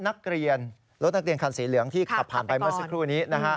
นักเรียนรถนักเรียนคันสีเหลืองที่ขับผ่านไปเมื่อสักครู่นี้นะฮะ